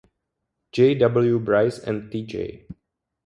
J. W. Brice and T. J.